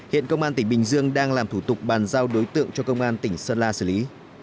hiện công an tỉnh bình dương đang làm thủ tục bàn giao đối tượng cho công an tỉnh sơn la xử lý